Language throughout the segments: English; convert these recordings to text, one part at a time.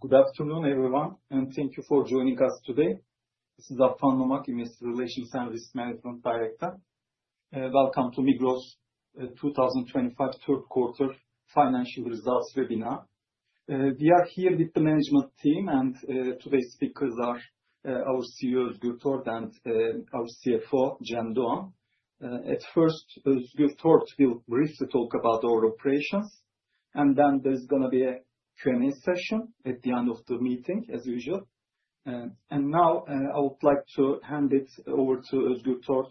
Good afternoon, everyone, and thank you for joining us today. This is Arfan Nomak, Investor Relations and Risk Management Director. Welcome to Migros 2025 third quarter financial results webinar. We are here with the management team, and today's speakers are our CEO, Özgür Tort, and our CFO, Cem Doğan. At first, Özgür Tort will briefly talk about our operations, and then there's going to be a Q&A session at the end of the meeting, as usual. Now, I would like to hand it over to Özgür Tort,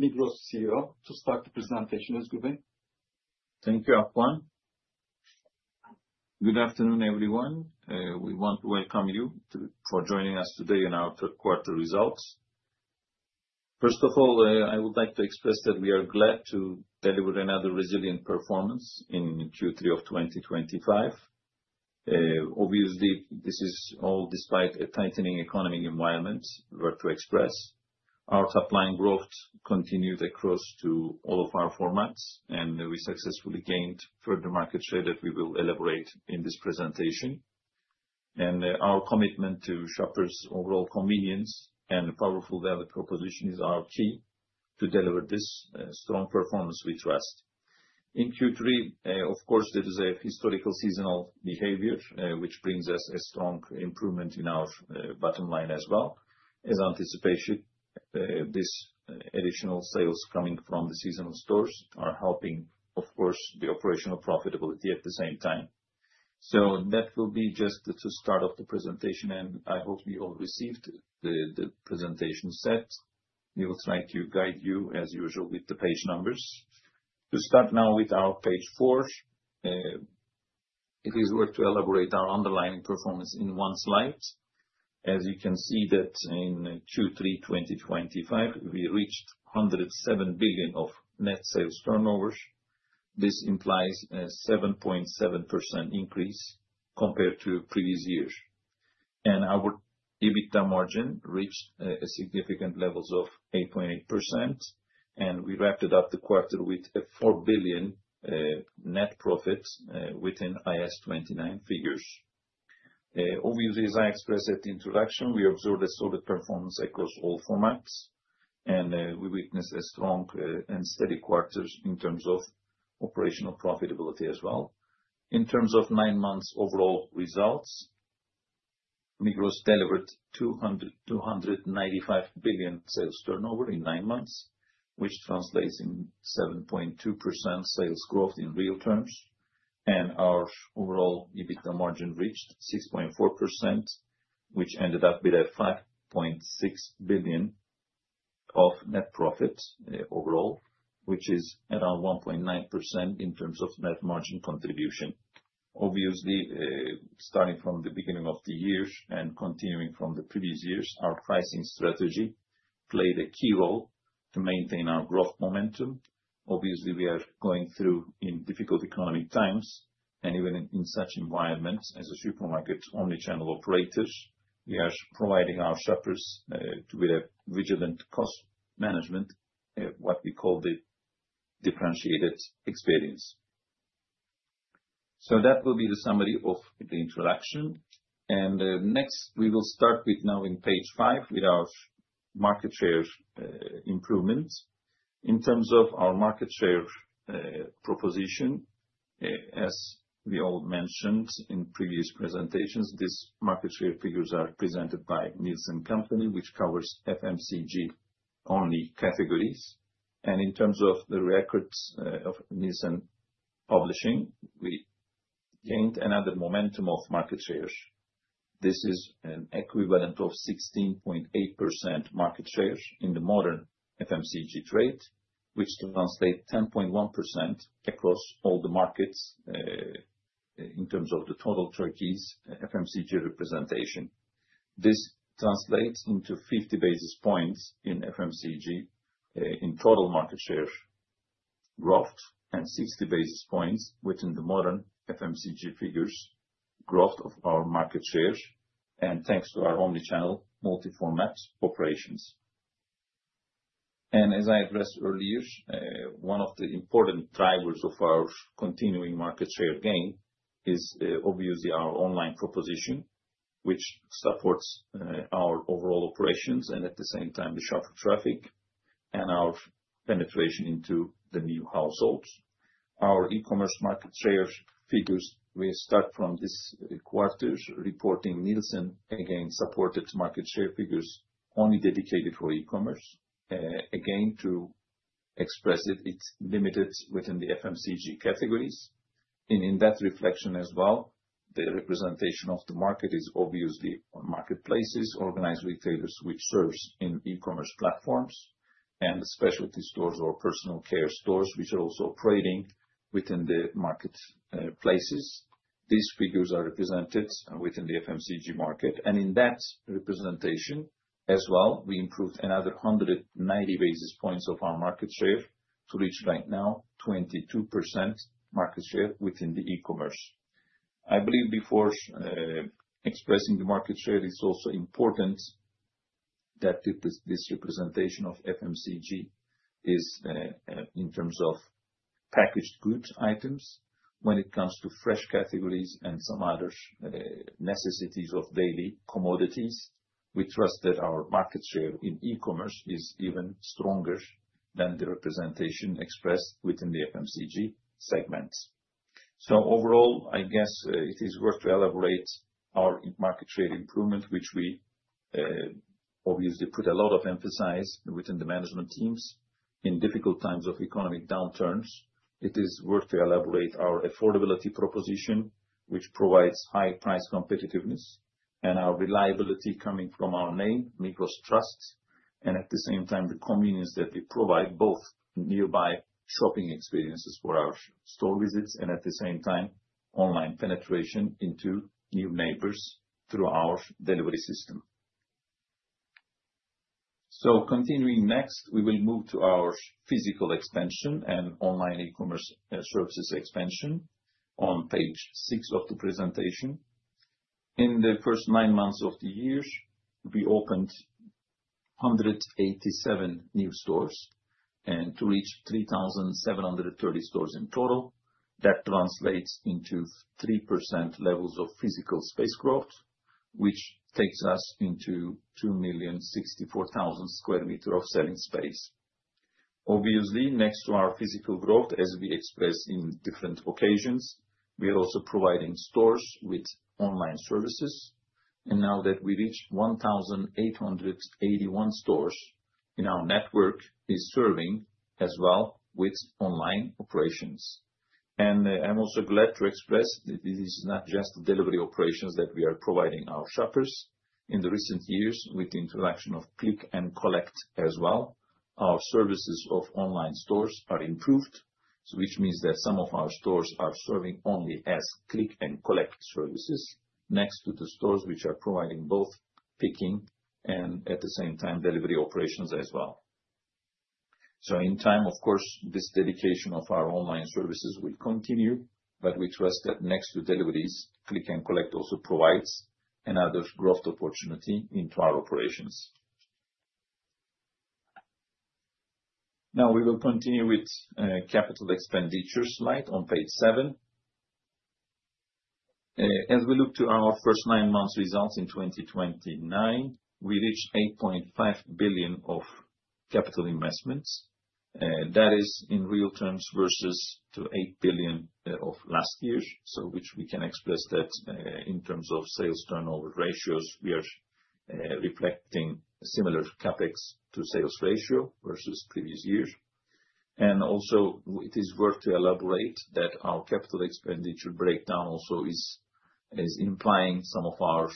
Migros CEO, to start the presentation. Özgür Bey. Thank you, Arfan. Good afternoon, everyone. We want to welcome you for joining us today in our third quarter results. First of all, I would like to express that we are glad to deliver another resilient performance in Q3 of 2025. Obviously, this is all despite a tightening economic environment, we were to express. Our supply and growth continued across to all of our formats, and we successfully gained further market share that we will elaborate in this presentation. Our commitment to shoppers' overall convenience and powerful value proposition is our key to deliver this strong performance we trust. In Q3, of course, there is a historical seasonal behavior, which brings us a strong improvement in our bottom line as well. As anticipated, this additional sales coming from the seasonal stores are helping, of course, the operational profitability at the same time. That will be just the start of the presentation, and I hope you all received the presentation set. We will try to guide you, as usual, with the page numbers. To start now with our page four, it is worth to elaborate our underlying performance in one slide. As you can see, in Q3 2025, we reached 107 billion of net sales turnovers. This implies a 7.7% increase compared to previous years. Our EBITDA margin reached significant levels of 8.8%, and we wrapped up the quarter with a 4 billion net profit within IAS 29 figures. Obviously, as I expressed at the introduction, we observed a solid performance across all formats, and we witnessed a strong and steady quarter in terms of operational profitability as well. In terms of nine months' overall results, Migros delivered 295 billion sales turnover in nine months, which translates in 7.2% sales growth in real terms. Our overall EBITDA margin reached 6.4%, which ended up with 5.6 billion of net profit overall, which is around 1.9% in terms of net margin contribution. Obviously, starting from the beginning of the year and continuing from the previous years, our pricing strategy played a key role to maintain our growth momentum. Obviously, we are going through difficult economic times, and even in such environments as a supermarket-only channel operators, we are providing our shoppers with a vigilant cost management, what we call the differentiated experience. That will be the summary of the introduction. Next, we will start now in page five with our market share improvements. In terms of our market share proposition, as we all mentioned in previous presentations, these market share figures are presented by Nielsen company, which covers FMCG-only categories. In terms of the records of Nielsen publishing, we gained another momentum of market shares. This is an equivalent of 16.8% market shares in the modern FMCG trade, which translates to 10.1% across all the markets in terms of the total Turkey's FMCG representation. This translates into 50 basis points in FMCG in total market share growth and 60 basis points within the modern FMCG figures growth of our market shares, thanks to our only channel, multi-format operations. As I addressed earlier, one of the important drivers of our continuing market share gain is obviously our online proposition, which supports our overall operations and at the same time the shopper traffic and our penetration into the new households. Our e-commerce market share figures, we start from this quarter's reporting, Nielsen again supported market share figures only dedicated for e-commerce. Again, to express it, it's limited within the FMCG categories. In that reflection as well, the representation of the market is obviously on marketplaces, organized retailers, which serve in e-commerce platforms, and specialty stores or personal care stores, which are also operating within the marketplaces. These figures are represented within the FMCG market. In that representation as well, we improved another 190 basis points of our market share to reach right now 22% market share within the e-commerce. I believe before expressing the market share, it's also important that this representation of FMCG is in terms of packaged goods items. When it comes to fresh categories and some other necessities of daily commodities, we trust that our market share in e-commerce is even stronger than the representation expressed within the FMCG segments. Overall, I guess it is worth to elaborate our market share improvement, which we obviously put a lot of emphasis within the management teams in difficult times of economic downturns. It is worth to elaborate our affordability proposition, which provides high price competitiveness and our reliability coming from our name, Migros Trust, and at the same time the convenience that we provide both nearby shopping experiences for our store visits and at the same time online penetration into new neighbors through our delivery system. Continuing next, we will move to our physical expansion and online e-commerce services expansion on page six of the presentation. In the first nine months of the year, we opened 187 new stores and reached 3,730 stores in total. That translates into 3% levels of physical space growth, which takes us into 2,064,000 sq m of selling space. Obviously, next to our physical growth, as we expressed in different occasions, we are also providing stores with online services. Now that we reached 1,881 stores in our network, we are serving as well with online operations. I'm also glad to express that this is not just delivery operations that we are providing our shoppers. In recent years, with the introduction of Click and Collect as well, our services of online stores are improved, which means that some of our stores are serving only as Click and Collect services next to the stores which are providing both picking and at the same time delivery operations as well. In time, of course, this dedication of our online services will continue, but we trust that next to deliveries, Click and Collect also provides another growth opportunity into our operations. We will continue with capital expenditure slide on page seven. As we look to our first nine months' results in 2029, we reached 8.5 billion of capital investments. That is in real terms versus 8 billion of last year, which we can express that in terms of sales turnover ratios, we are reflecting similar CapEx to sales ratio versus previous years. It is worth to elaborate that our capital expenditure breakdown also is implying some of our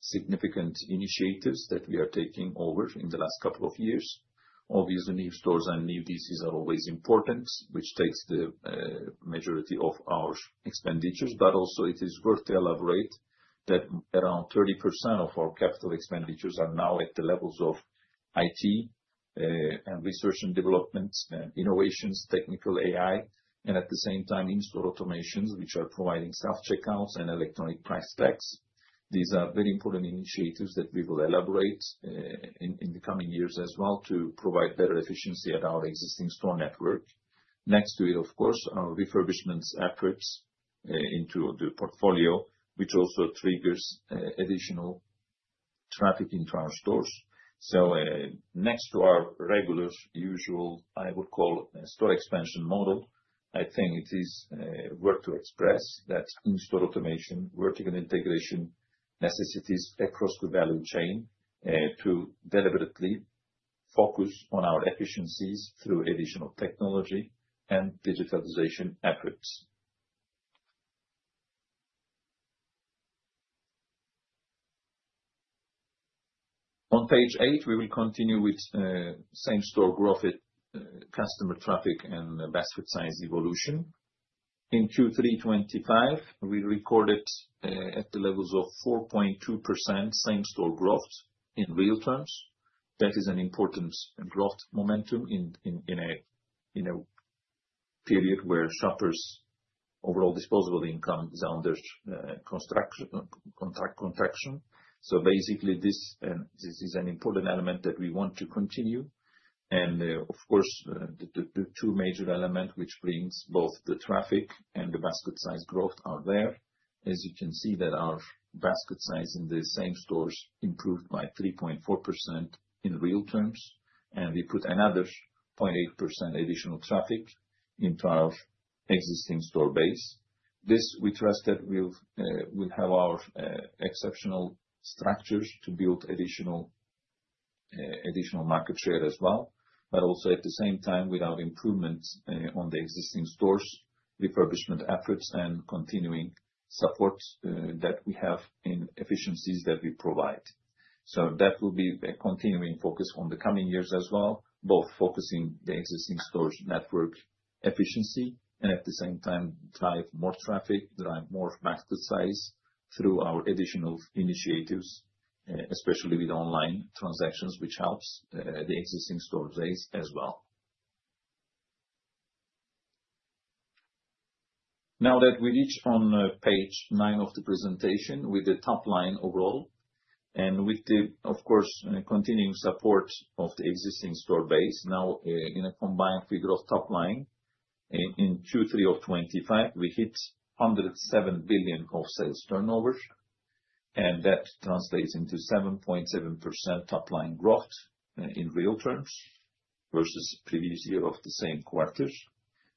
significant initiatives that we are taking over in the last couple of years. Obviously, new stores and new DCs are always important, which takes the majority of our expenditures. But also it is worth to elaborate that around 30% of our capital expenditures are now at the levels of IT and research and development, innovations, technical AI, and at the same time in-store automations, which are providing self-checkouts and electronic price tags. These are very important initiatives that we will elaborate in the coming years as well to provide better efficiency at our existing store network. Next to it, of course, are refurbishments efforts into the portfolio, which also triggers additional traffic into our stores. Next to our regular, usual, I would call a store expansion model, I think it is worth to express that in-store automation vertical integration necessities across the value chain to deliberately focus on our efficiencies through additional technology and digitalization efforts. On page eight, we will continue with same-store growth, customer traffic, and basket size evolution. In Q3 2025, we recorded at the levels of 4.2% same-store growth in real terms. That is an important growth momentum in a period where shoppers' overall disposable income is under contraction. Basically, this is an important element that we want to continue. Of course, the two major elements which bring both the traffic and the basket size growth are there. As you can see, our basket size in the same stores improved by 3.4% in real terms, and we put another 0.8% additional traffic into our existing store base. We trust that we'll have our exceptional structures to build additional market share as well, but also at the same time with improvements on the existing stores, refurbishment efforts, and continuing support that we have in efficiencies that we provide. That will be a continuing focus in the coming years as well, both focusing on the existing stores' network efficiency and at the same time drive more traffic, drive more basket size through our additional initiatives, especially with online transactions, which helps the existing store base as well. Now that we reach on page nine of the presentation with the top line overall and with the, of course, continuing support of the existing store base, now in a combined figure of top line, in Q3 of 2025, we hit 107 billion of sales turnovers, and that translates into 7.7% top line growth in real terms versus previous year of the same quarters.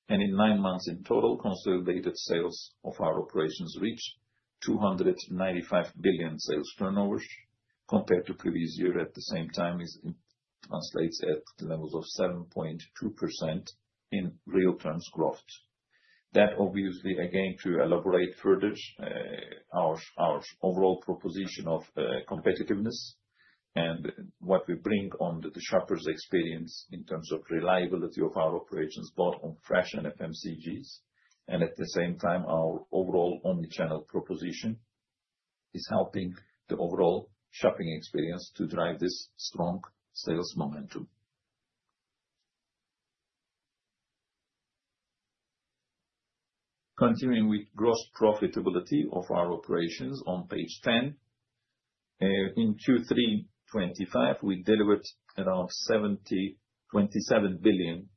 In nine months in total, consolidated sales of our operations reached 295 billion sales turnovers compared to previous year at the same time, which translates at the levels of 7.2% in real terms growth. That obviously, again, to elaborate further, our overall proposition of competitiveness and what we bring on the shoppers' experience in terms of reliability of our operations both on fresh and FMCGs, and at the same time, our overall only channel proposition is helping the overall shopping experience to drive this strong sales momentum. Continuing with gross profitability of our operations on page 10, in Q3 2025, we delivered around 27 billion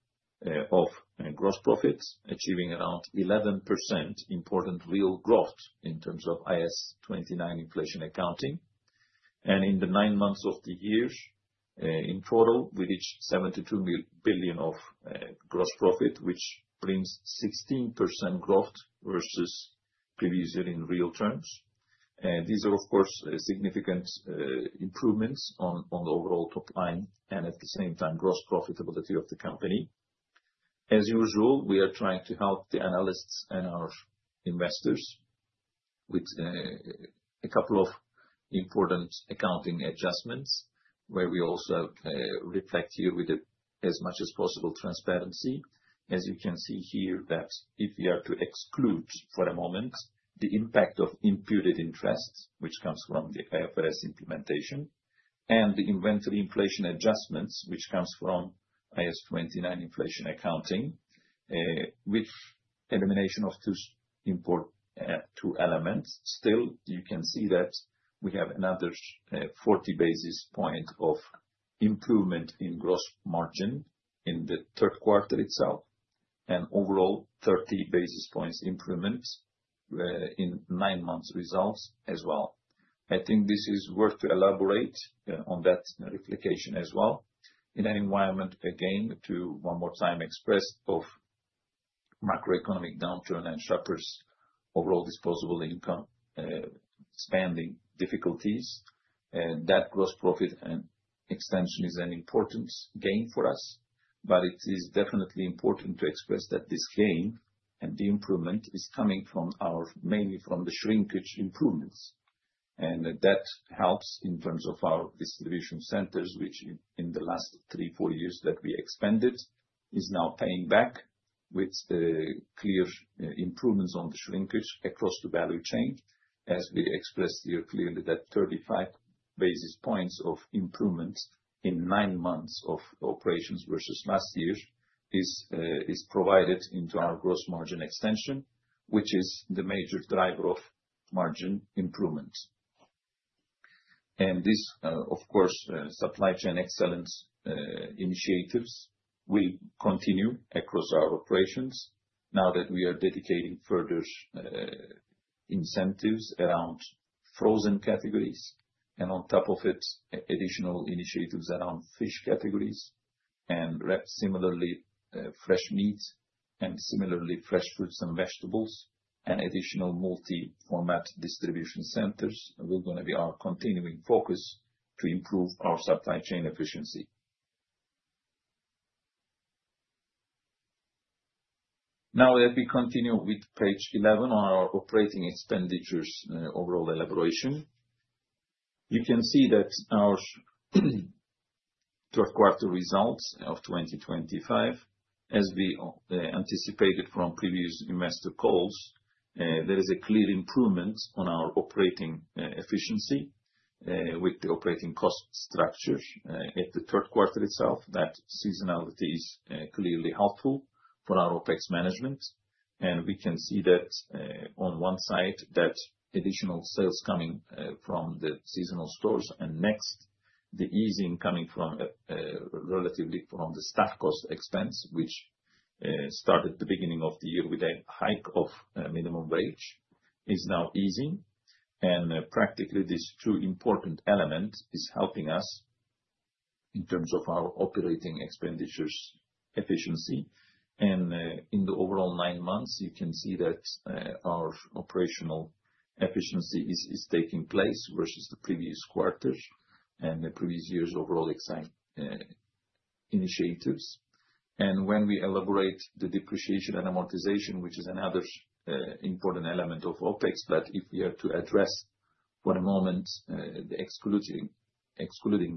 of gross profits, achieving around 11% important real growth in terms of IAS 29 inflation accounting. And in the nine months of the year, in total, we reached 72 billion of gross profit, which brings 16% growth versus previous year in real terms. These are, of course, significant improvements on the overall top line and at the same time gross profitability of the company. As usual, we are trying to help the analysts and our investors with a couple of important accounting adjustments where we also reflect here with as much as possible transparency. As you can see here, that if we are to exclude for a moment the impact of imputed interest, which comes from the IFRS implementation, and the inventory inflation adjustments, which comes from IAS 29 inflation accounting, with elimination of two elements, still you can see that we have another 40 basis point of improvement in gross margin in the third quarter itself and overall 30 basis points improvements in nine months' results as well. I think this is worth to elaborate on that replication as well. In an environment, again, to one more time expressed of macroeconomic downturn and shoppers' overall disposable income spending difficulties, that gross profit and extension is an important gain for us, but it is definitely important to express that this gain and the improvement is coming from our mainly from the shrinkage improvements. That helps in terms of our distribution centers, which in the last three, four years that we expanded is now paying back with clear improvements on the shrinkage across the value chain. As we expressed here clearly, that 35 basis points of improvements in nine months of operations versus last year is provided into our gross margin extension, which is the major driver of margin improvements. This, of course, supply chain excellence initiatives will continue across our operations now that we are dedicating further incentives around frozen categories and on top of it, additional initiatives around fish categories and similarly fresh meat and similarly fresh fruits and vegetables and additional multi-format distribution centers are going to be our continuing focus to improve our supply chain efficiency. Now that we continue with page 11 on our operating expenditures overall elaboration, you can see that our third quarter results of 2025, as we anticipated from previous investor calls, there is a clear improvement on our operating efficiency with the operating cost structure at the third quarter itself. That seasonality is clearly helpful for our OpEx management. We can see that on one side that additional sales coming from the seasonal stores and next the easing coming from relatively from the staff cost expense, which started the beginning of the year with a hike of minimum wage, is now easing. Practically these two important elements are helping us in terms of our operating expenditures efficiency. In the overall nine months, you can see that our operational efficiency is taking place versus the previous quarters and the previous year's overall initiatives. When we elaborate the depreciation and amortization, which is another important element of OpEx, but if we are to address for a moment excluding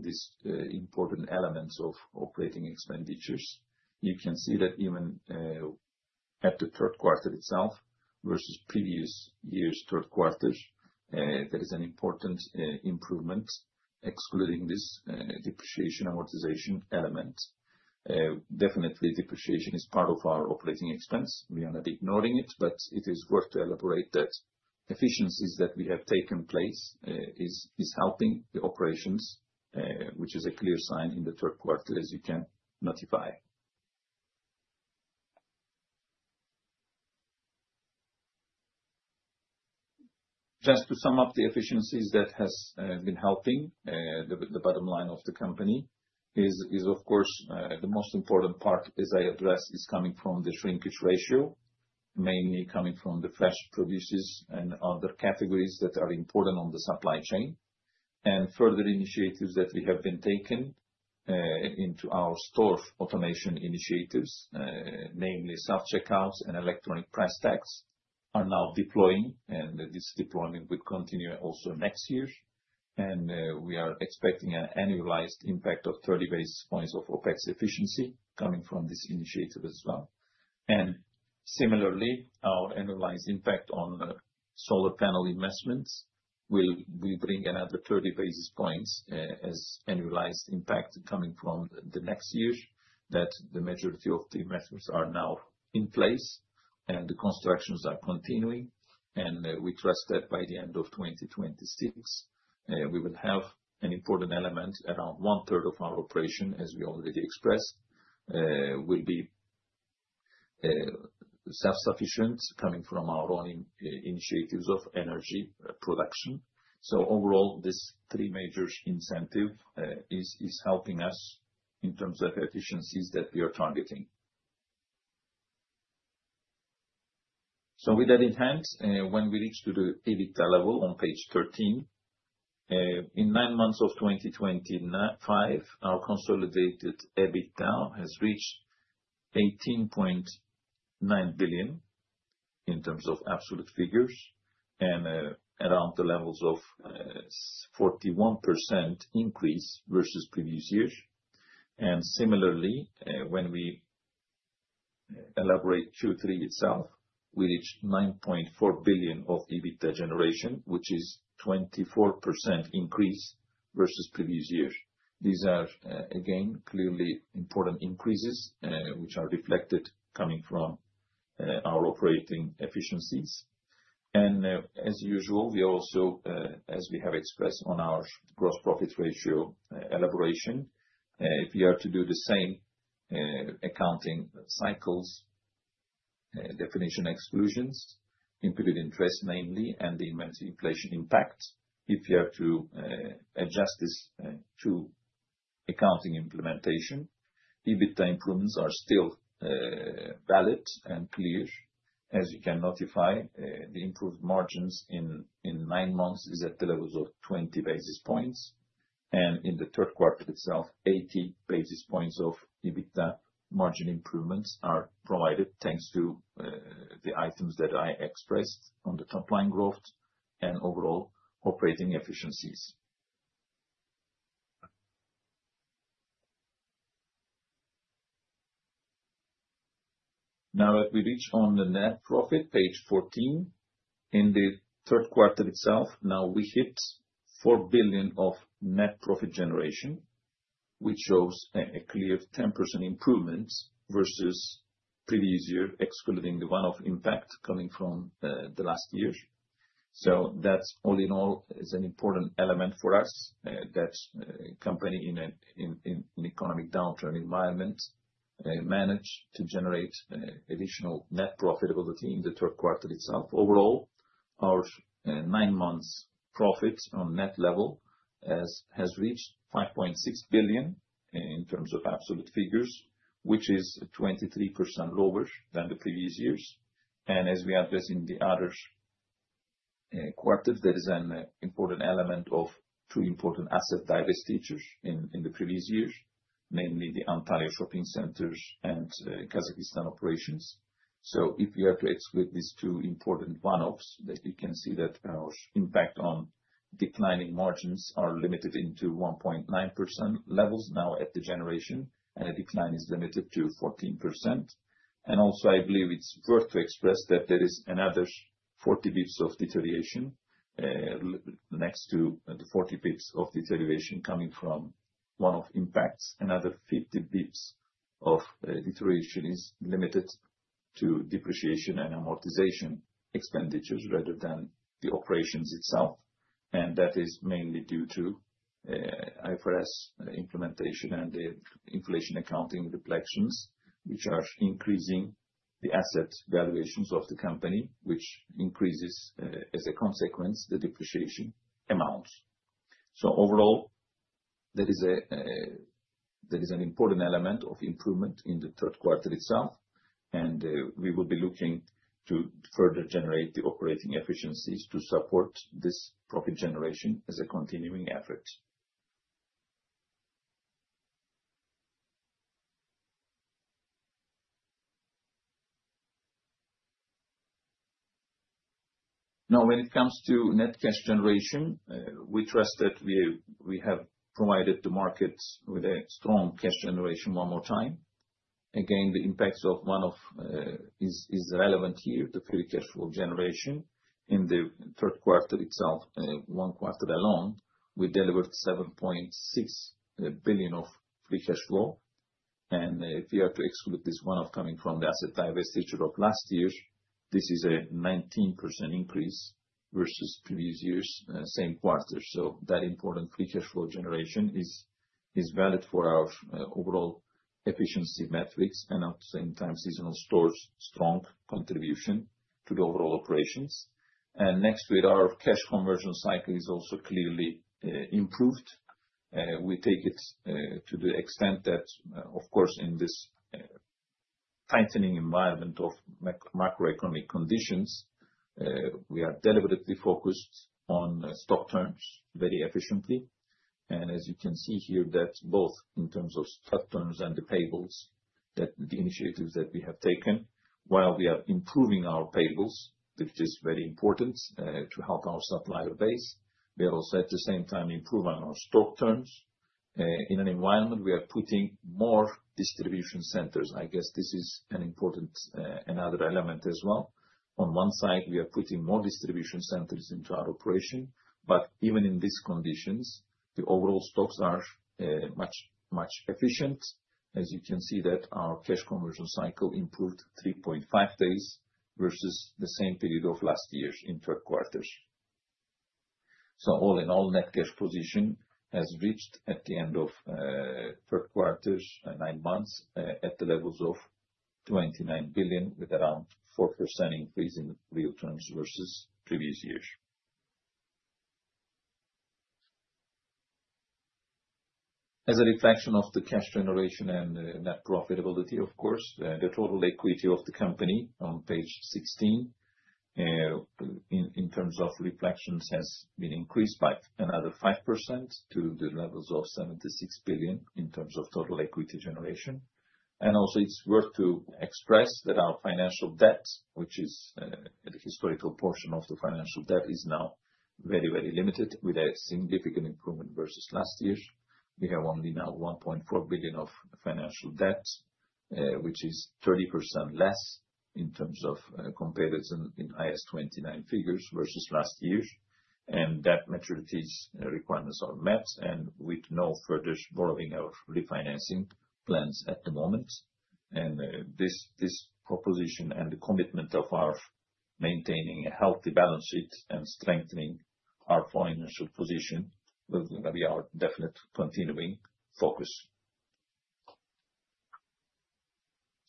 these important elements of operating expenditures, you can see that even at the third quarter itself versus previous year's third quarters, there is an important improvement excluding this depreciation amortization element. Definitely, depreciation is part of our operating expense. We are not ignoring it, but it is worth to elaborate that efficiencies that we have taken place are helping the operations, which is a clear sign in the third quarter, as you can notify. Just to sum up, the efficiencies that have been helping, the bottom line of the company is, of course, the most important part, as I address, is coming from the shrinkage ratio, mainly coming from the fresh produce and other categories that are important on the supply chain. Further initiatives that we have been taking into our store automation initiatives, namely self-checkouts and electronic price tags, are now deploying, and this deployment will continue also next year. We are expecting an annualized impact of 30 basis points of OpEx efficiency coming from this initiative as well. Similarly, our annualized impact on solar panel investments will bring another 30 basis points as annualized impact coming from the next year, that the majority of the investments are now in place and the constructions are continuing. We trust that by the end of 2026, we will have an important element, around one-third of our operation, as we already expressed, will be self-sufficient coming from our own initiatives of energy production. Overall, this three major incentive is helping us in terms of efficiencies that we are targeting. With that in hand, when we reach to the EBITDA level on page 13, in nine months of 2025, our consolidated EBITDA has reached 18.9 billion in terms of absolute figures and around the levels of 41% increase versus previous years. Similarly, when we elaborate Q3 itself, we reached 9.4 billion of EBITDA generation, which is a 24% increase versus previous year. These are, again, clearly important increases which are reflected coming from our operating efficiencies. As usual, we also, as we have expressed on our gross profit ratio elaboration, if we are to do the same accounting cycles, definition exclusions, imputed interest mainly, and the inventory inflation impact, if you have to adjust this to accounting implementation, EBITDA improvements are still valid and clear. As you can notify, the improved margins in nine months are at the levels of 20 basis points. In the third quarter itself, 80 basis points of EBITDA margin improvements are provided thanks to the items that I expressed on the top line growth and overall operating efficiencies. Now that we reach on the net profit, page 14, in the third quarter itself, now we hit 4 billion of net profit generation, which shows a clear 10% improvement versus previous year excluding the one-off impact coming from the last year. That all in all is an important element for us that company in an economic downturn environment managed to generate additional net profitability in the third quarter itself. Overall, our nine months profit on net level has reached 5.6 billion in terms of absolute figures, which is 23% lower than the previous years. As we address in the other quarter, there is an important element of two important asset diversity in the previous years, mainly the Ontario shopping centers and Kazakhstan operations. If we are to exclude these two important one-offs, you can see that our impact on declining margins is limited into 1.9% levels now at the generation, and the decline is limited to 14%. I believe it is worth to express that there is another 40 basis points of deterioration next to the 40 basis points of deterioration coming from one-off impacts. Another 50 basis points of deterioration is limited to depreciation and amortization expenditures rather than the operations itself. That is mainly due to IFRS implementation and the inflation accounting reflections, which are increasing the asset valuations of the company, which increases as a consequence the depreciation amounts. Overall, there is an important element of improvement in the third quarter itself, and we will be looking to further generate the operating efficiencies to support this profit generation as a continuing effort. Now, when it comes to net cash generation, we trust that we have provided the markets with a strong cash generation one more time. Again, the impacts of one-off is relevant here to free cash flow generation. In the third quarter itself, one quarter alone, we delivered 7.6 billion of free cash flow. If we are to exclude this one-off coming from the asset diversity of last year, this is a 19% increase versus previous year's same quarter. That important free cash flow generation is valid for our overall efficiency metrics and at the same time seasonal stores' strong contribution to the overall operations. Next, our cash conversion cycle is also clearly improved. We take it to the extent that, of course, in this tightening environment of macroeconomic conditions, we are deliberately focused on stock terms very efficiently. As you can see here, both in terms of stock terms and the payables, the initiatives that we have taken, while we are improving our payables, which is very important to help our supplier base, we are also at the same time improving our stock terms. In an environment where we are putting more distribution centers, I guess this is another important element as well. On one side, we are putting more distribution centers into our operation, but even in these conditions, the overall stocks are much, much more efficient. As you can see, our cash conversion cycle improved 3.5 days versus the same period of last year's in third quarters. All in all, net cash position has reached at the end of third quarter nine months at the levels of 29 billion with around 4% increase in real terms versus previous year. As a reflection of the cash generation and net profitability, of course, the total equity of the company on page 16 in terms of reflections has been increased by another 5% to the levels of 76 billion in terms of total equity generation. Also, it's worth to express that our financial debt, which is the historical portion of the financial debt, is now very, very limited with a significant improvement versus last year. We have only now 1.4 billion of financial debt, which is 30% less in terms of comparison in highest IAS 29 figures versus last year. That maturities requirements are met, with no further borrowing or refinancing plans at the moment. This proposition and the commitment of our maintaining a healthy balance sheet and strengthening our financial position will be our definite continuing focus.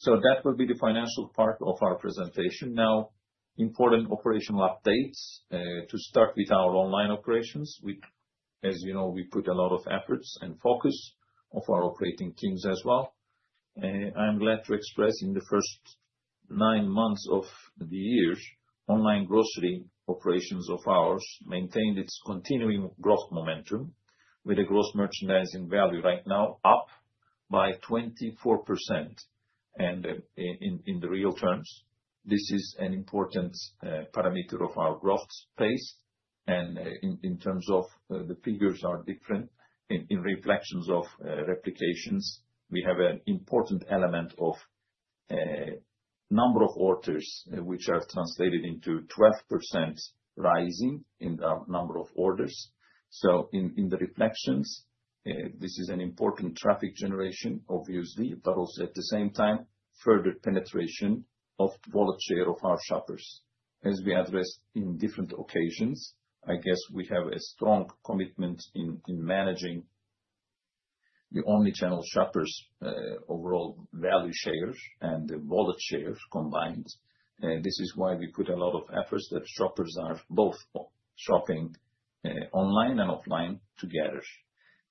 That will be the financial part of our presentation. Now, important operational updates. To start with our online operations, as you know, we put a lot of efforts and focus on our operating teams as well. I'm glad to express in the first nine months of the year, online grocery operations of ours maintained its continuing growth momentum with a gross merchandising value right now up by 24%. In the real terms, this is an important parameter of our growth space. In terms of the figures are different in reflections of replications. We have an important element of number of orders, which are translated into 12% rising in the number of orders. In the reflections, this is an important traffic generation, obviously, but also at the same time, further penetration of wallet share of our shoppers. As we addressed in different occasions, I guess we have a strong commitment in managing the omnichannel shoppers' overall value shares and the wallet shares combined. This is why we put a lot of efforts that shoppers are both shopping online and offline together.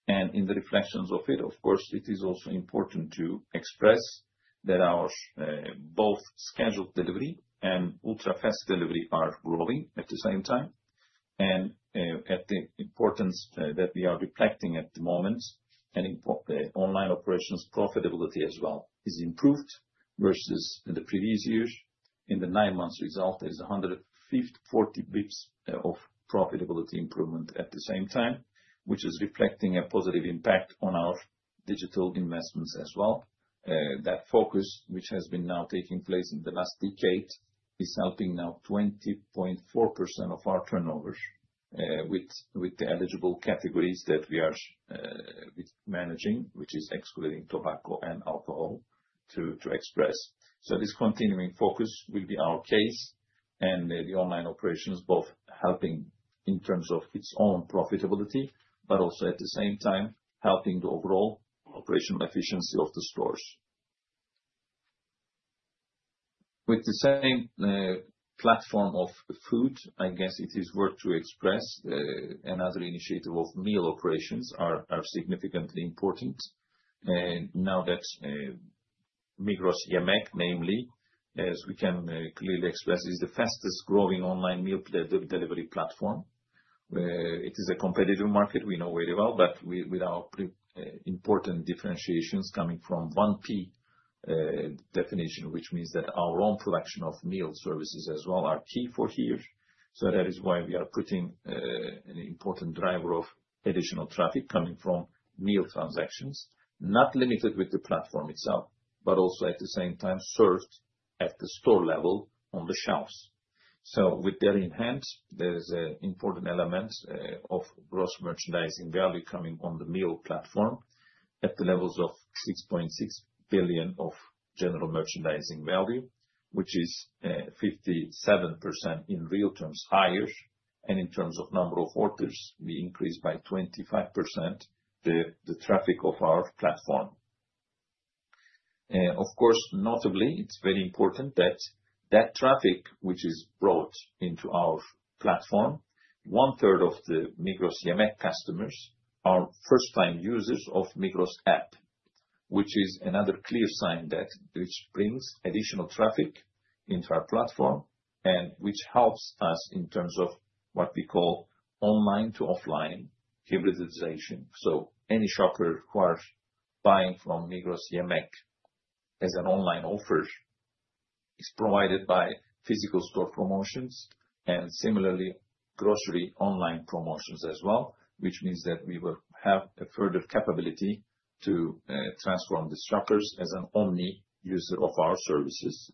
In the reflections of it, of course, it is also important to express that our both scheduled delivery and ultra-fast delivery are growing at the same time. At the importance that we are reflecting at the moment, and online operations profitability as well is improved versus the previous years. In the nine months result, there is 140 basis points of profitability improvement at the same time, which is reflecting a positive impact on our digital investments as well. That focus, which has been now taking place in the last decade, is helping now 20.4% of our turnovers with the eligible categories that we are managing, which is excluding tobacco and alcohol, to express. This continuing focus will be our case, and the online operations both helping in terms of its own profitability, but also at the same time helping the overall operational efficiency of the stores. With the same platform of food, I guess it is worth to express another initiative of meal operations are significantly important. Now that Migros Yemek, namely, as we can clearly express, is the fastest growing online meal delivery platform. It is a competitive market we know very well, but with our important differentiations coming from 1P definition, which means that our own production of meal services as well are key for here. That is why we are putting an important driver of additional traffic coming from meal transactions, not limited with the platform itself, but also at the same time served at the store level on the shelves. With that in hand, there is an important element of gross merchandising value coming on the meal platform at the levels of 6.6 billion of gross merchandising value, which is 57% in real terms higher. In terms of number of orders, we increased by 25% the traffic of our platform. Of course, notably, it is very important that that traffic, which is brought into our platform, one-third of the Migros Yemek customers are first-time users of Migros app, which is another clear sign that brings additional traffic into our platform and which helps us in terms of what we call online to offline hybridization. Any shopper who is buying from Migros Yemek as an online offer is provided by physical store promotions and similarly grocery online promotions as well, which means that we will have a further capability to transform the shoppers as an omni user of our services.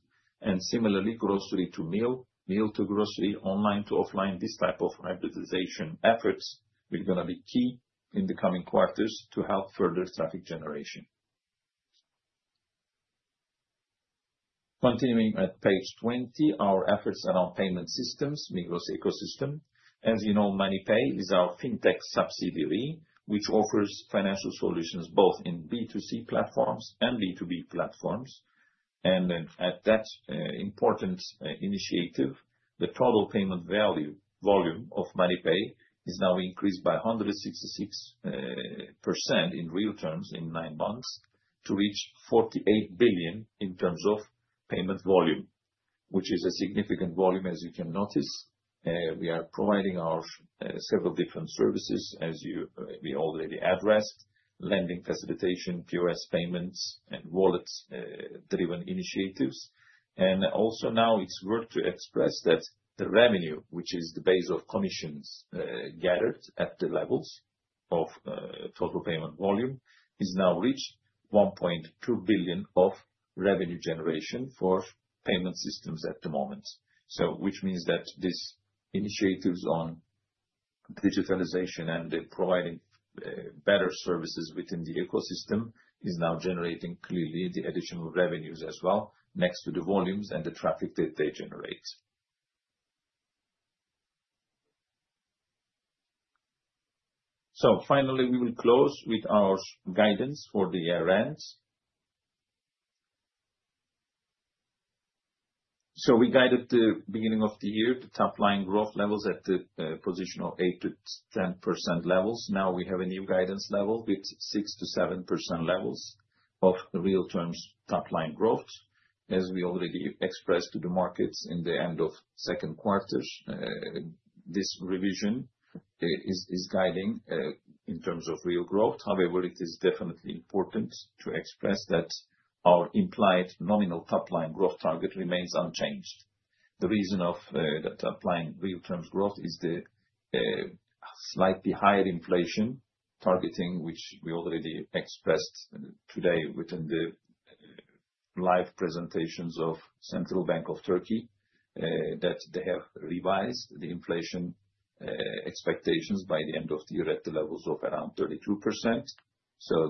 Similarly, grocery to meal, meal to grocery, online to offline, this type of hybridization efforts will be going to be key in the coming quarters to help further traffic generation. Continuing at page 20, our efforts around payment systems, Migros ecosystem. As you know, MoneyPay is our fintech subsidiary, which offers financial solutions both in B2C platforms and B2B platforms. At that important initiative, the total payment volume of MoneyPay is now increased by 166% in real terms in nine months to reach 48 billion in terms of payment volume, which is a significant volume, as you can notice. We are providing our several different services, as we already addressed, lending facilitation, POS payments, and wallet-driven initiatives. Also, now it's worth to express that the revenue, which is the base of commissions gathered at the levels of total payment volume, is now reached 1.2 billion of revenue generation for payment systems at the moment. This means that these initiatives on digitalization and providing better services within the ecosystem is now generating clearly the additional revenues as well next to the volumes and the traffic that they generate. Finally, we will close with our guidance for the year ends. We guided at the beginning of the year, the top line growth levels at the position of 8%-10% levels. Now we have a new guidance level with 6%-7% levels of real terms top line growth. As we already expressed to the markets in the end of second quarters, this revision is guiding in terms of real growth. However, it is definitely important to express that our implied nominal top line growth target remains unchanged. The reason of the top line real terms growth is the slightly higher inflation targeting, which we already expressed today within the live presentations of Central Bank of Turkey, that they have revised the inflation expectations by the end of the year at the levels of around 32%.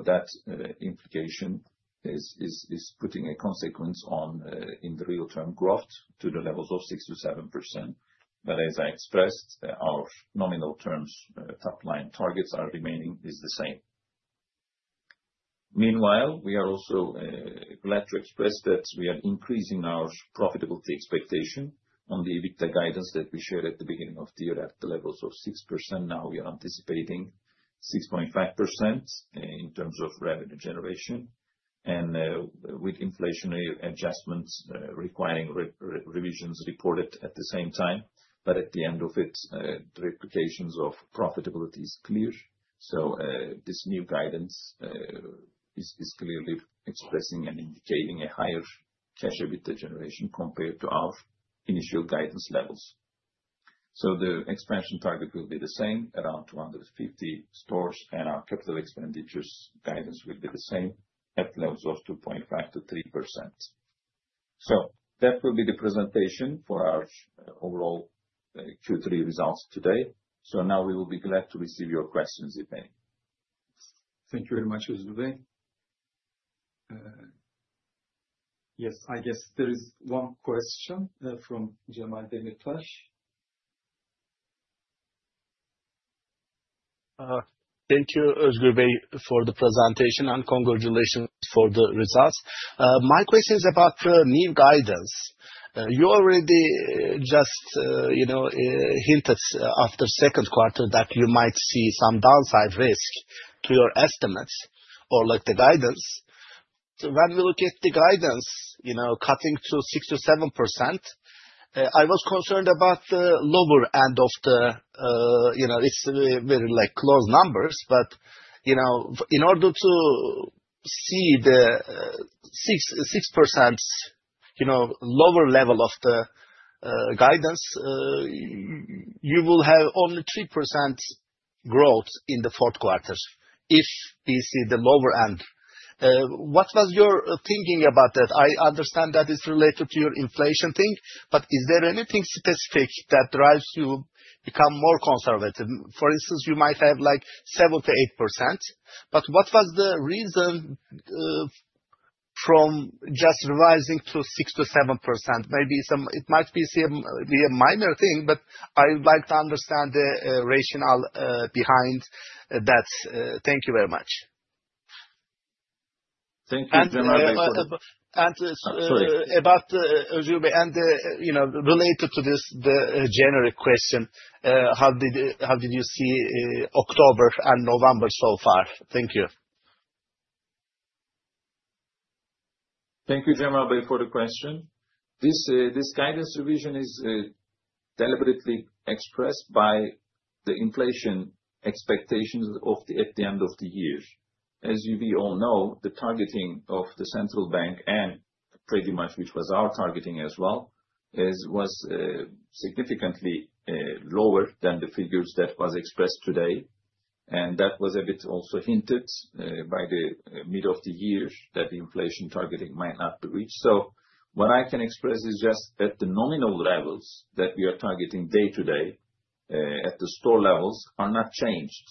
That implication is putting a consequence on in the real term growth to the levels of 6%-7%. As I expressed, our nominal terms top line targets are remaining the same. Meanwhile, we are also glad to express that we are increasing our profitability expectation on the EBITDA guidance that we shared at the beginning of the year at the levels of 6%. Now we are anticipating 6.5% in terms of revenue generation. With inflationary adjustments requiring revisions reported at the same time, at the end of it, the implications of profitability is clear. This new guidance is clearly expressing and indicating a higher cash EBITDA generation compared to our initial guidance levels. The expansion target will be the same, around 250 stores, and our capital expenditures guidance will be the same at levels of 2.5%-3%. That will be the presentation for our overall Q3 results today. We will be glad to receive your questions if any. Thank you very much, Özgür Bey. Yes, I guess there is one question from Cemal Demirtaş. Thank you, Özgür Bey, for the presentation and congratulations for the results. My question is about new guidance. You already just hinted after second quarter that you might see some downside risk to your estimates or like the guidance. When we look at the guidance, you know, cutting to 6%-7%, I was concerned about the lower end of the, you know, it is very like close numbers, but you know, in order to see the 6% lower level of the guidance, you will have only 3% growth in the fourth quarter if we see the lower end. What was your thinking about that? I understand that it is related to your inflation thing, but is there anything specific that drives you to become more conservative? For instance, you might have like 7-8%, but what was the reason from just revising to 6-7%? Maybe it might be a minor thing, but I would like to understand the rationale behind that. Thank you very much. Thank you, Cemal Bey. Sorry. About Özgür Bey and related to this, the generic question, how did you see October and November so far? Thank you. Thank you, Cemal Bey, for the question. This guidance revision is deliberately expressed by the inflation expectations at the end of the year. As we all know, the targeting of the central bank and pretty much which was our targeting as well was significantly lower than the figures that were expressed today. That was a bit also hinted by the mid of the year that the inflation targeting might not be reached. What I can express is just that the nominal levels that we are targeting day to day at the store levels are not changed.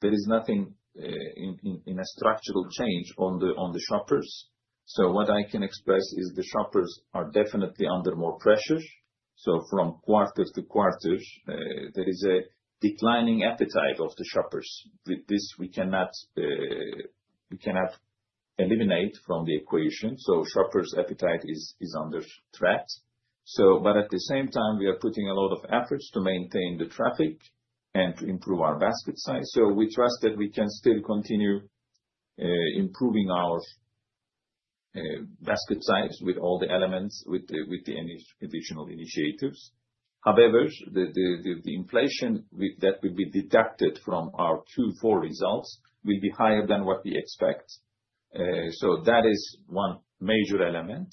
There is nothing in a structural change on the shoppers. What I can express is the shoppers are definitely under more pressure. From quarter-to-quarter, there is a declining appetite of the shoppers. With this, we cannot eliminate from the equation. Shoppers' appetite is under threat. At the same time, we are putting a lot of efforts to maintain the traffic and to improve our basket size. We trust that we can still continue improving our basket size with all the elements with the additional initiatives. However, the inflation that will be deducted from our Q4 results will be higher than what we expect. That is one major element.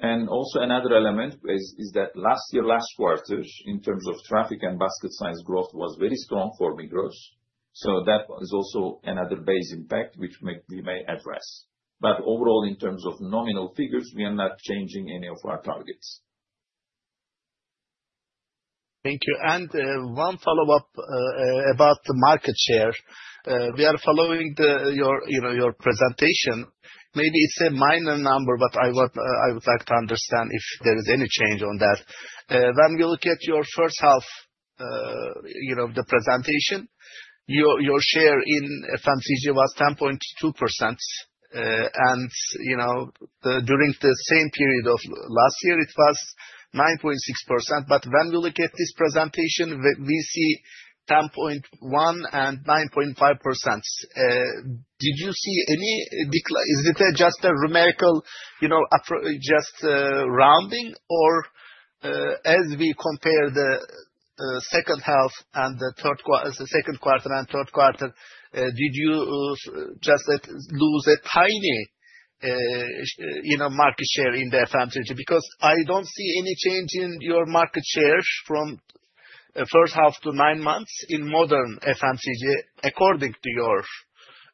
Also, another element is that last year, last quarter, in terms of traffic and basket size growth was very strong for Migros. That is also another base impact which we may address. Overall, in terms of nominal figures, we are not changing any of our targets. Thank you. And one follow-up about the market share. We are following your presentation. Maybe it is a minor number, but I would like to understand if there is any change on that. When we look at your first half of the presentation, your share in FMCG was 10.2%. During the same period of last year, it was 9.6%. When we look at this presentation, we see 10.1% and 9.5%. Did you see any decline? Is it just a numerical rounding? Or as we compare the second half and the second quarter and third quarter, did you just lose a tiny market share in the FMCG? Because I do not see any change in your market share from first half to nine months in modern FMCG according to your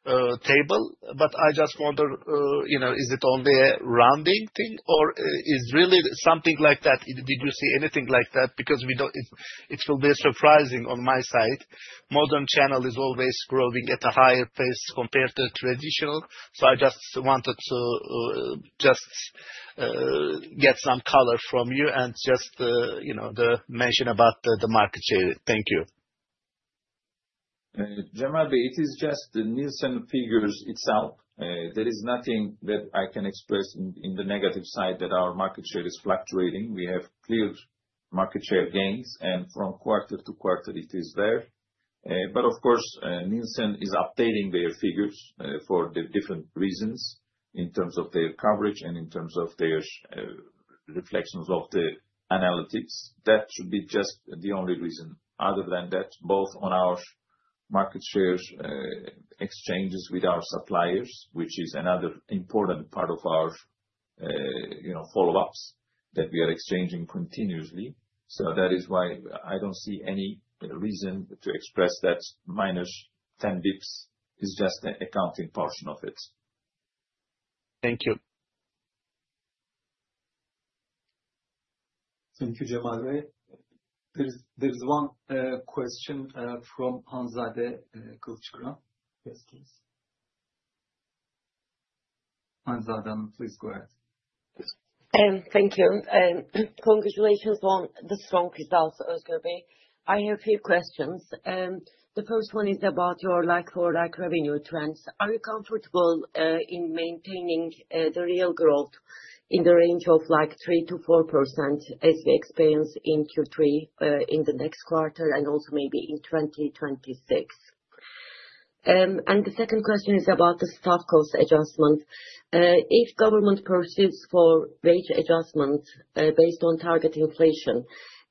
table. I just wonder, is it only a rounding thing or is it really something like that? Did you see anything like that? It will be surprising on my side. Modern channel is always growing at a higher pace compared to traditional. I just wanted to get some color from you and just the mention about the market share. Thank you. Cemal Bey, it is just the Nielsen figures itself. There is nothing that I can express in the negative side that our market share is fluctuating. We have clear market share gains, and from quarter to quarter, it is there. Of course, Nielsen is updating their figures for different reasons in terms of their coverage and in terms of their reflections of the analytics. That should be just the only reason. Other than that, both on our market shares exchanges with our suppliers, which is another important part of our follow-ups that we are exchanging continuously. That is why I do not see any reason to express that -10 basis points is just the accounting portion of it. Thank you. Thank you, Cemal Bey. There is one question from Hanzadeh Kılıçkuran. Hanzadeh, please go ahead. Thank you. Congratulations on the strong results, Özgür Bey. I have a few questions. The first one is about your like-for-like revenue trends. Are you comfortable in maintaining the real growth in the range of like 3%-4% as we experience in Q3 in the next quarter and also maybe in 2026? The second question is about the staff cost adjustment. If government pursues for wage adjustment based on target inflation,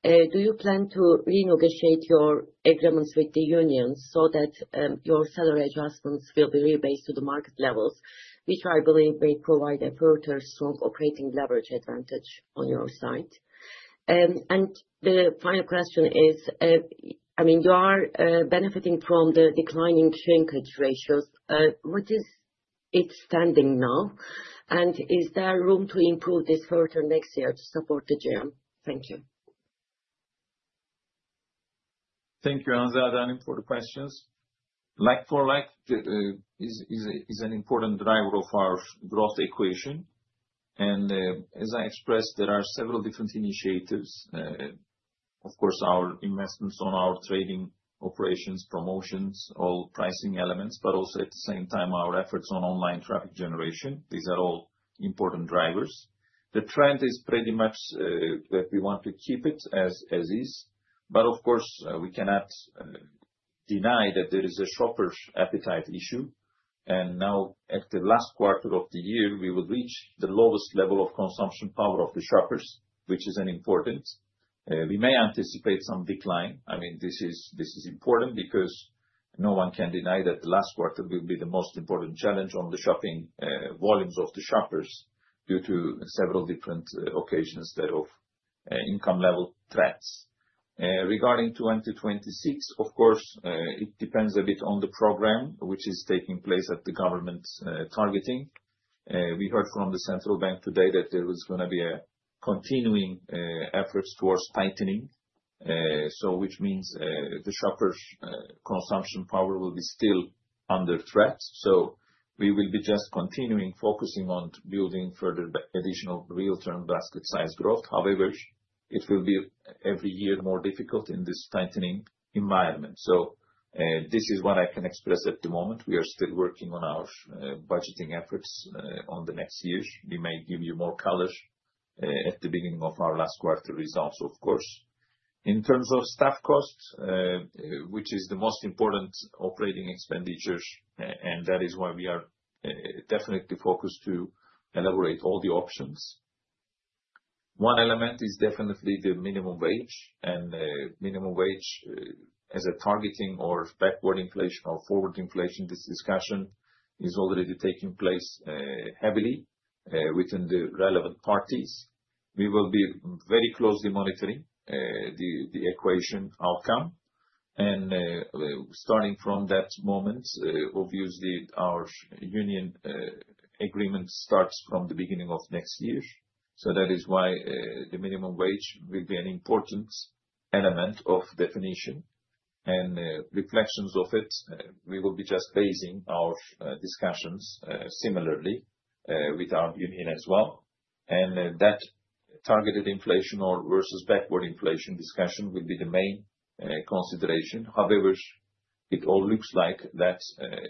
do you plan to renegotiate your agreements with the unions so that your salary adjustments will be rebased to the market levels, which I believe may provide a further strong operating leverage advantage on your side? The final question is, I mean, you are benefiting from the declining shrinkage ratios. What is its standing now? Is there room to improve this further next year to support the GM? Thank you. Thank you, Hanzadeh, for the questions. Like-for-like is an important driver of our growth equation. As I expressed, there are several different initiatives. Of course, our investments on our trading operations, promotions, all pricing elements, but also at the same time, our efforts on online traffic generation. These are all important drivers. The trend is pretty much that we want to keep it as is. But of course, we cannot deny that there is a shopper's appetite issue. Now at the last quarter of the year, we will reach the lowest level of consumption power of the shoppers, which is important. We may anticipate some decline. I mean, this is important because no one can deny that the last quarter will be the most important challenge on the shopping volumes of the shoppers due to several different occasions of income level threats. Regarding 2026, of course, it depends a bit on the program which is taking place at the government targeting. We heard from the central bank today that there was going to be a continuing effort towards tightening, which means the shopper's consumption power will be still under threat. We will be just continuing focusing on building further additional real term basket size growth. However, it will be every year more difficult in this tightening environment. This is what I can express at the moment. We are still working on our budgeting efforts on the next year. We may give you more color at the beginning of our last quarter results, of course. In terms of staff cost, which is the most important operating expenditures, and that is why we are definitely focused to elaborate all the options. One element is definitely the minimum wage. Minimum wage as a targeting or backward inflation or forward inflation, this discussion is already taking place heavily within the relevant parties. We will be very closely monitoring the equation outcome. Starting from that moment, obviously, our union agreement starts from the beginning of next year. That is why the minimum wage will be an important element of definition. Reflections of it, we will be just basing our discussions similarly with our union as well. That targeted inflation or versus backward inflation discussion will be the main consideration. However, it all looks like that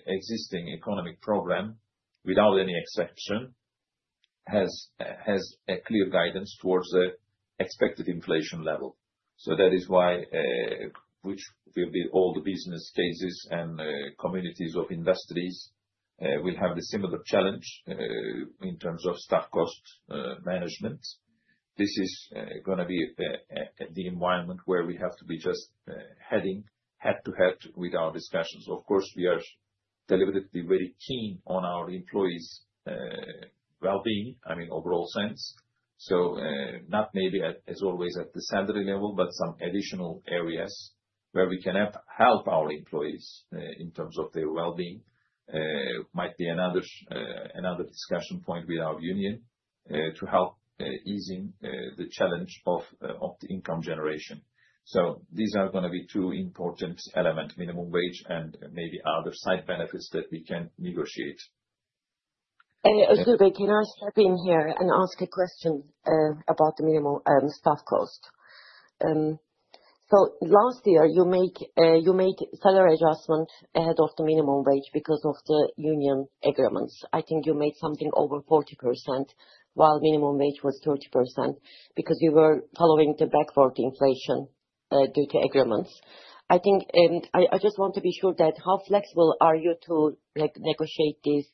existing economic program, without any exception, has a clear guidance towards the expected inflation level. That is why all the business cases and communities of industries will have a similar challenge in terms of staff cost management. This is going to be the environment where we have to be just heading head-to-head with our discussions. Of course, we are deliberately very keen on our employees' well-being, I mean, overall sense. Not maybe as always at the salary level, but some additional areas where we can help our employees in terms of their well-being might be another discussion point with our union to help easing the challenge of the income generation. These are going to be two important elements, minimum wage and maybe other side benefits that we can negotiate. Özgür Bey, can I step in here and ask a question about the minimum staff cost? Last year, you made salary adjustment ahead of the minimum wage because of the union agreements. I think you made something over 40% while minimum wage was 30% because you were following the backward inflation due to agreements. I think I just want to be sure that how flexible are you to negotiate these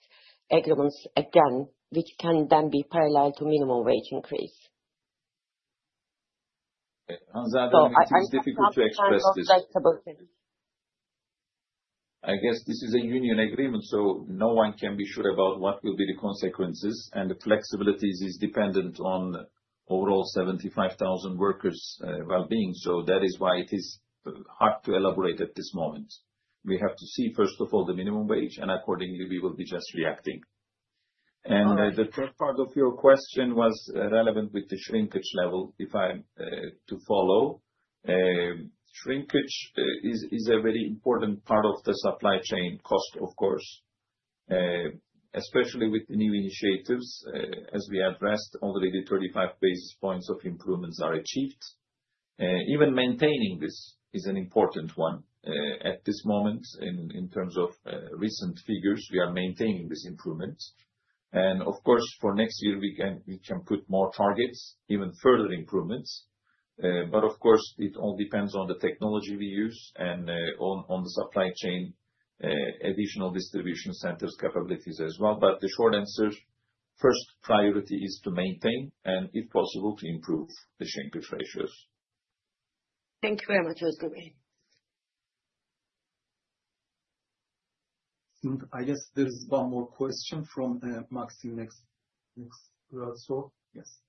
agreements again, which can then be parallel to minimum wage increase? Hanzadeh, it is difficult to express this. I guess this is a union agreement, so no one can be sure about what will be the consequences. The flexibility is dependent on overall 75,000 workers' well-being. That is why it is hard to elaborate at this moment. We have to see, first of all, the minimum wage, and accordingly, we will be just reacting. The third part of your question was relevant with the shrinkage level, if I follow. Shrinkage is a very important part of the supply chain cost, of course, especially with the new initiatives. As we addressed, already 35 basis points of improvements are achieved. Even maintaining this is an important one at this moment in terms of recent figures. We are maintaining this improvement. Of course, for next year, we can put more targets, even further improvements. Of course, it all depends on the technology we use and on the supply chain, additional distribution centers capabilities as well. The short answer, first priority is to maintain and, if possible, to improve the shrinkage ratios. Thank you very much, Özgür Bey. I guess there's one more question from Maxim next. Yes.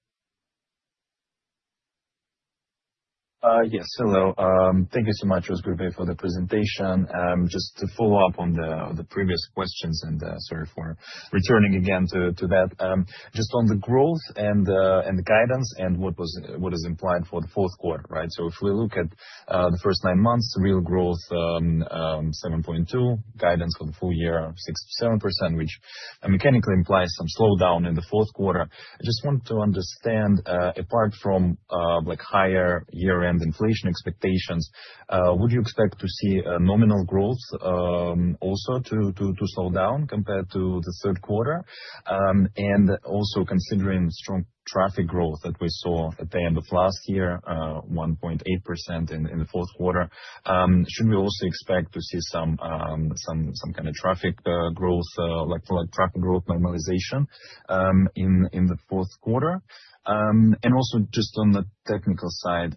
Yes. Hello. Thank you so much, Özgür Bey, for the presentation. Just to follow up on the previous questions, and sorry for returning again to that, just on the growth and the guidance and what is implied for the fourth quarter, right? If we look at the first nine months, real growth 7.2, guidance for the full year 6%-7%, which mechanically implies some slowdown in the fourth quarter. I just want to understand, apart from higher year-end inflation expectations, would you expect to see nominal growth also to slow down compared to the third quarter? Also, considering strong traffic growth that we saw at the end of last year, 1.8% in the fourth quarter, should we also expect to see some kind of traffic growth, like traffic growth normalization in the fourth quarter? And also, just on the technical side,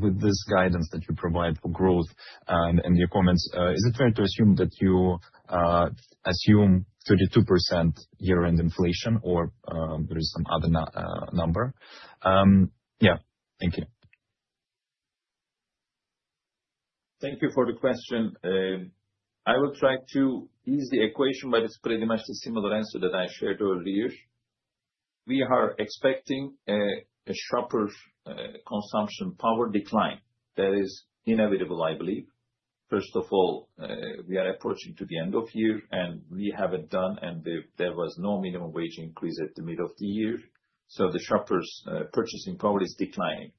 with this guidance that you provide for growth and your comments, is it fair to assume that you assume 32% year-end inflation or there is some other number? Yeah. Thank you. Thank you for the question. I will try to ease the equation, but it's pretty much the similar answer that I shared earlier. We are expecting a shopper's consumption power decline. That is inevitable, I believe. First of all, we are approaching to the end of year, and we haven't done, and there was no minimum wage increase at the middle of the year. The shopper's purchasing power is declining.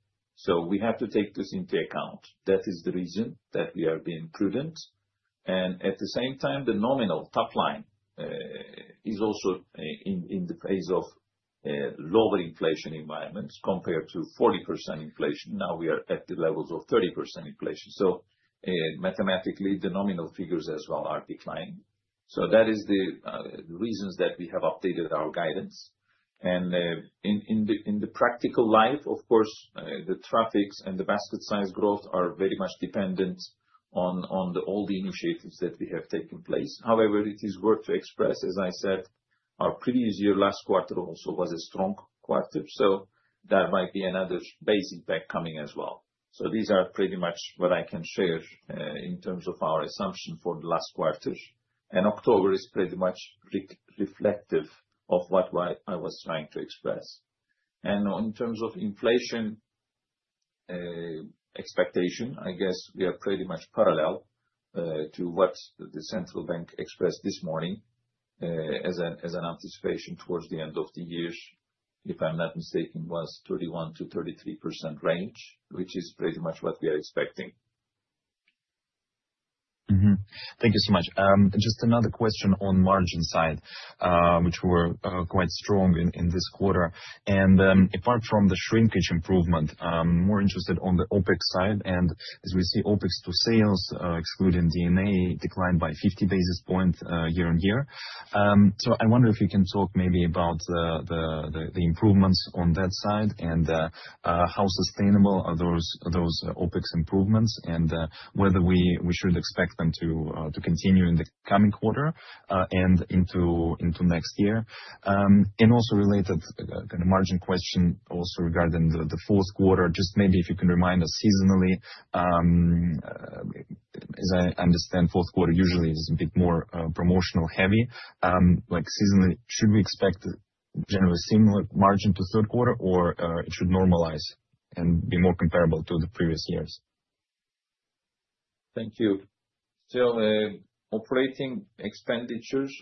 We have to take this into account. That is the reason that we are being prudent. At the same time, the nominal top line is also in the phase of lower inflation environments compared to 40% inflation. Now we are at the levels of 30% inflation. Mathematically, the nominal figures as well are declining. That is the reasons that we have updated our guidance. In the practical life, of course, the traffics and the basket size growth are very much dependent on all the initiatives that we have taken place. However, it is worth to express, as I said, our previous year, last quarter also was a strong quarter. There might be another base impact coming as well. These are pretty much what I can share in terms of our assumption for the last quarter. October is pretty much reflective of what I was trying to express. In terms of inflation expectation, I guess we are pretty much parallel to what the central bank expressed this morning as an anticipation towards the end of the year. If I'm not mistaken, it was 31%-33% range, which is pretty much what we are expecting. Thank you so much. Just another question on margin side, which were quite strong in this quarter. Apart from the shrinkage improvement, I'm more interested on the OpEx side. As we see OpEx to sales, excluding D&A, declined by 50 basis points year-on-year. I wonder if you can talk maybe about the improvements on that side and how sustainable are those OpEx improvements and whether we should expect them to continue in the coming quarter and into next year. Also, related kind of margin question also regarding the fourth quarter, just maybe if you can remind us seasonally, as I understand, fourth quarter usually is a bit more promotional heavy. Like seasonally, should we expect generally similar margin to third quarter or it should normalize and be more comparable to the previous years? Thank you. Operating expenditures,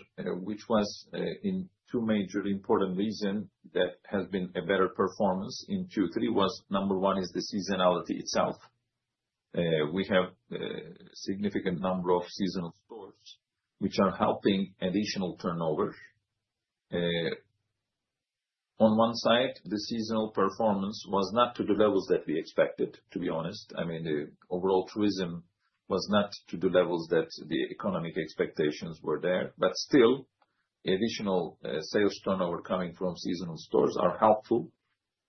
which was in two major important reasons that has been a better performance in Q3, was number one is the seasonality itself. We have a significant number of seasonal stores which are helping additional turnovers. On one side, the seasonal performance was not to the levels that we expected, to be honest. I mean, the overall tourism was not to the levels that the economic expectations were there. But still, additional sales turnover coming from seasonal stores are helpful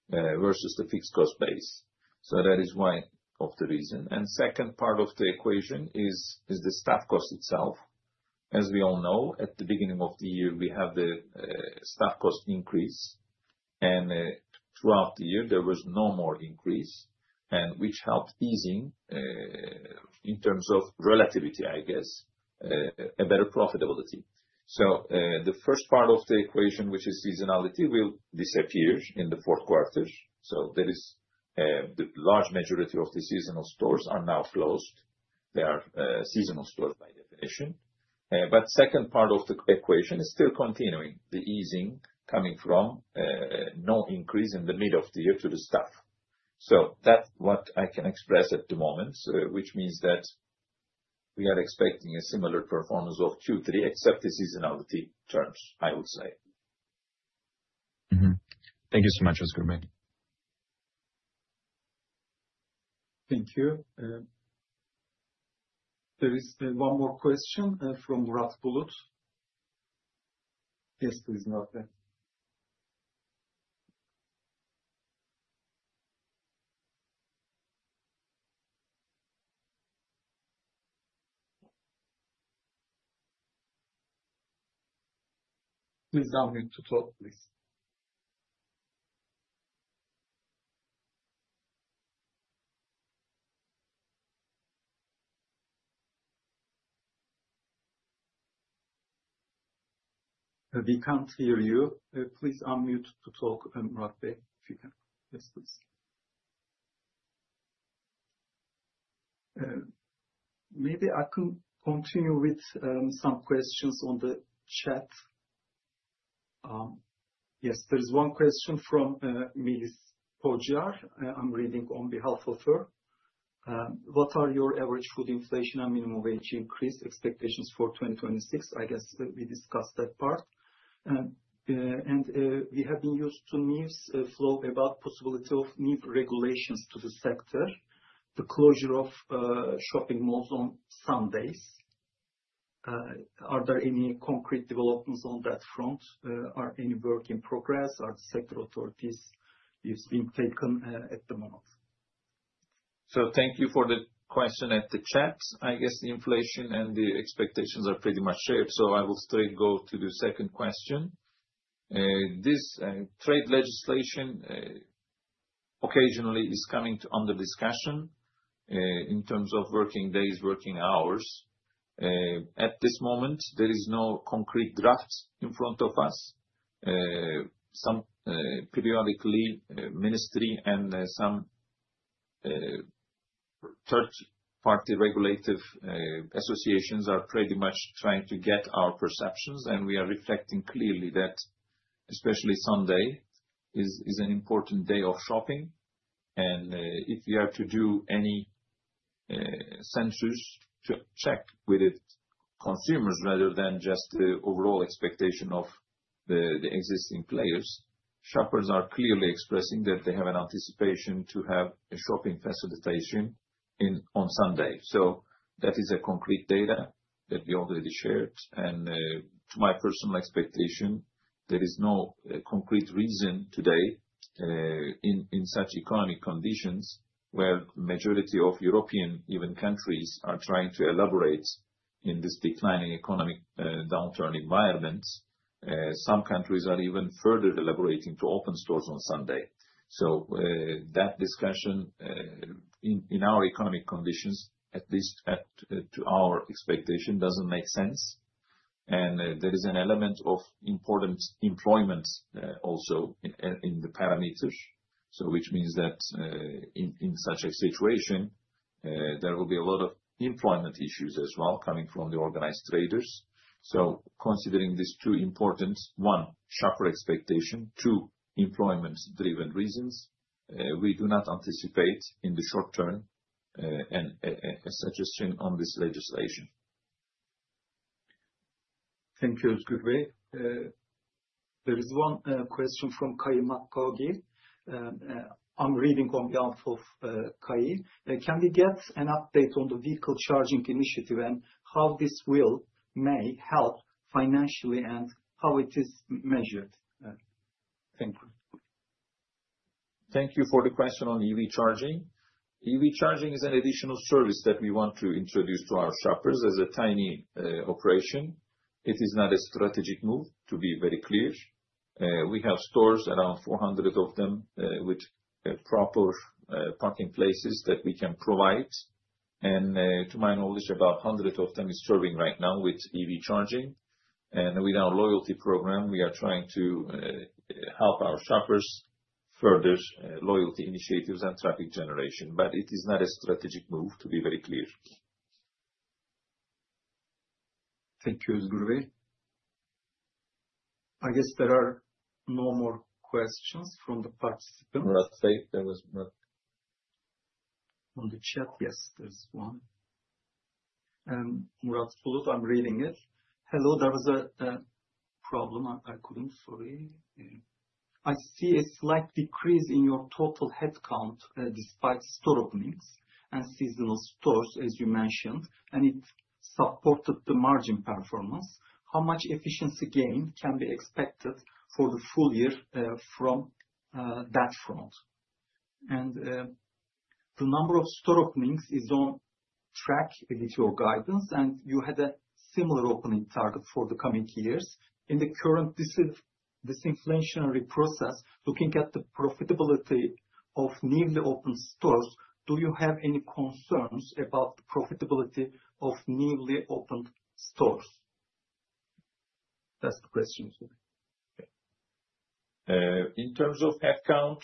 versus the fixed cost base. That is why of the reason. The second part of the equation is the staff cost itself. As we all know, at the beginning of the year, we have the staff cost increase. Throughout the year, there was no more increase, which helped easing in terms of relativity, I guess, a better profitability. The first part of the equation, which is seasonality, will disappear in the fourth quarter. That is, the large majority of the seasonal stores are now closed. They are seasonal stores by definition. The second part of the equation is still continuing, the easing coming from no increase in the middle of the year to the staff. That's what I can express at the moment, which means that we are expecting a similar performance of Q3, except the seasonality terms, I would say. Thank you so much, Özgür Bey. Thank you. There is one more question from Murat Bulut. Yes, please, Murat. Please unmute to talk, please. We can't hear you. Please unmute to talk, Murat Bey, if you can. Yes, please. Maybe I can continue with some questions on the chat. Yes, there is one question from Melis Pocar. I'm reading on behalf of her. What are your average food inflation and minimum wage increase expectations for 2026? I guess we discussed that part. We have been used to news flow about the possibility of new regulations to the sector, the closure of shopping malls on Sundays. Are there any concrete developments on that front? Are any work in progress? Are the sector authorities being taken at the moment? Thank you for the question at the chat. I guess the inflation and the expectations are pretty much shared. I will straight go to the second question. This trade legislation occasionally is coming under discussion in terms of working days, working hours. At this moment, there is no concrete draft in front of us. Periodically, ministry and some third-party regulative associations are pretty much trying to get our perceptions. We are reflecting clearly that especially Sunday is an important day of shopping. If we are to do any census check with consumers rather than just the overall expectation of the existing players, shoppers are clearly expressing that they have an anticipation to have a shopping facilitation on Sunday. That is a concrete data that we already shared. To my personal expectation, there is no concrete reason today in such economic conditions where the majority of European even countries are trying to elaborate in this declining economic downturn environment. Some countries are even further elaborating to open stores on Sunday. That discussion in our economic conditions, at least to our expectation, does not make sense. There is an element of important employment also in the parameters, which means that in such a situation, there will be a lot of employment issues as well coming from the organized traders. Considering these two important ones, shopper expectation, two employment-driven reasons, we do not anticipate in the short term a suggestion on this legislation. Thank you, Özgür Bey. There is one question from Kayi Makkogi. I am reading on behalf of Kayi. Can we get an update on the vehicle charging initiative and how this will may help financially and how it is measured? Thank you. Thank you for the question on EV charging. EV charging is an additional service that we want to introduce to our shoppers as a tiny operation. It is not a strategic move, to be very clear. We have stores, around 400 of them, with proper parking places that we can provide. To my knowledge, about 100 of them are serving right now with EV charging. With our loyalty program, we are trying to help our shoppers further loyalty initiatives and traffic generation. It is not a strategic move, to be very clear. Thank you, Özgür Bey. I guess there are no more questions from the participants. Murat Bey, there was one. On the chat, yes, there is one. Murat Bulut, I'm reading it. Hello, there was a problem. I could not, sorry. I see a slight decrease in your total headcount despite store openings and seasonal stores, as you mentioned, and it supported the margin performance. How much efficiency gain can be expected for the full year from that front? The number of store openings is on track with your guidance, and you had a similar opening target for the coming years. In the current disinflationary process, looking at the profitability of newly opened stores, do you have any concerns about the profitability of newly opened stores? That is the question. In terms of headcount,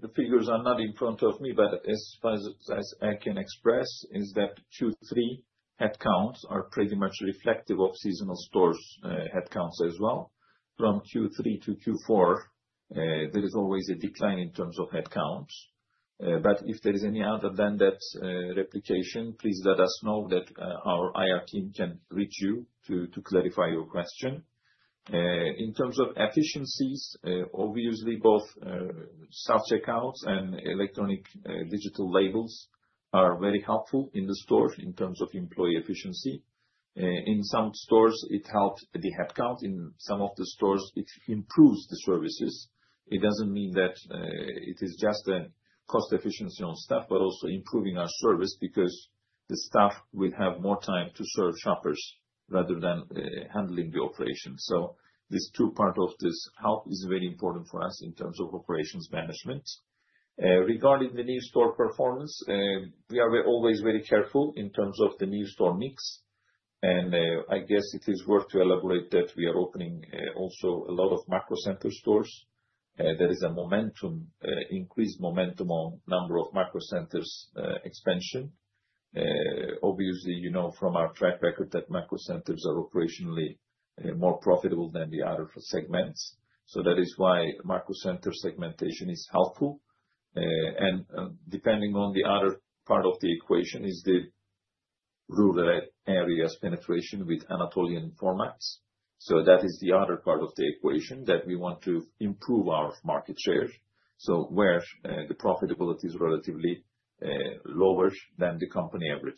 the figures are not in front of me, but as far as I can express, is that Q3 headcounts are pretty much reflective of seasonal stores headcounts as well. From Q3 to Q4, there is always a decline in terms of headcounts. If there is any other than that replication, please let us know that our IR team can reach you to clarify your question. In terms of efficiencies, obviously, both self-checkouts and electronic digital labels are very helpful in the stores in terms of employee efficiency. In some stores, it helped the headcount. In some of the stores, it improves the services. It does not mean that it is just a cost efficiency on staff, but also improving our service because the staff will have more time to serve shoppers rather than handling the operation. This two-part of this help is very important for us in terms of operations management. Regarding the new store performance, we are always very careful in terms of the new store mix. I guess it is worth to elaborate that we are opening also a lot of Macro Center stores. There is a momentum, increased momentum on the number of Macro Center's expansion. Obviously, you know from our track record that Macro Centers are operationally more profitable than the other segments. That is why Macro Center segmentation is helpful. Depending on the other part of the equation is the rural areas penetration with Anatolian formats. That is the other part of the equation that we want to improve our market share. Where the profitability is relatively lower than the company average.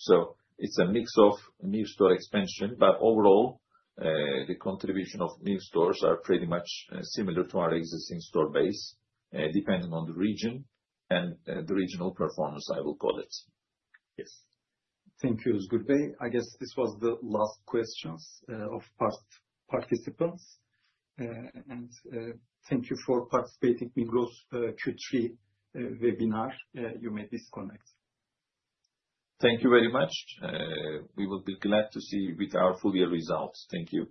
It is a mix of new store expansion, but overall, the contribution of new stores is pretty much similar to our existing store base, depending on the region and the regional performance, I will call it. Yes. Thank you, Özgür Bey. I guess this was the last question of participants. Thank you for participating in the Q3 webinar. You may disconnect. Thank you very much. We will be glad to see with our full year results. Thank you.